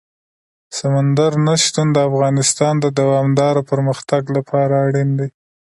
سمندر نه شتون د افغانستان د دوامداره پرمختګ لپاره اړین دي.